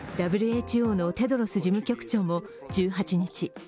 ＷＨＯのテドロス事務局長も１８日